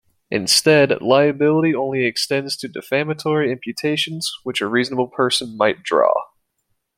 Instead, liability only extends to defamatory imputations which a reasonable person might draw.